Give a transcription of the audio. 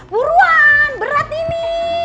buruan berat ini